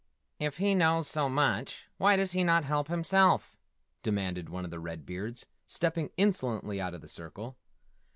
"If he knows so much, why does he not help himself?" demanded one of the Red Beards, stepping insolently out of the circle.